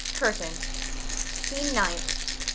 _ CURTAIN. SCENE NINTH.